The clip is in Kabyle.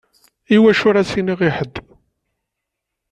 Iwacu ara s-iniɣ i ḥedd?